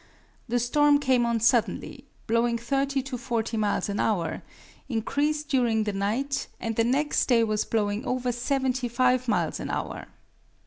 The storm came on suddenly, blowing 30 to 40 miles an hour. It increased during the night, and the next day was blowing over 75 miles an hour.